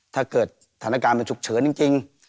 ถ้าเกิดสถานการณ์มันฉุกเฉินจริง